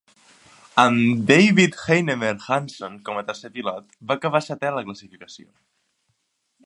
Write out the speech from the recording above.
Amb David Heinemeier Hansson com a tercer pilot, va acabar setè a la classificació.